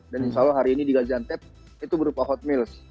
dan insya allah hari ini di gaziantep itu berupa hot meals